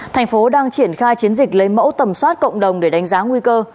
thành phố đang triển khai chiến dịch lấy mẫu tầm soát cộng đồng để đánh giá nguy cơ